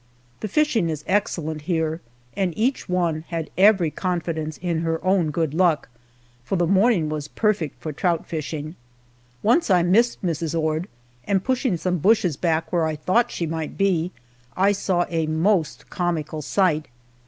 The fishing is excellent here and each one had every confidence in her own good luck, for the morning was perfect for trout fishing. Once I missed Mrs. Ord, and pushing some bushes back where I thought she might be, I saw a most comical sight.